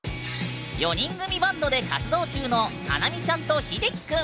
４人組バンドで活動中のはなみちゃんとひできくん。